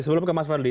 sebelum ke mas fadli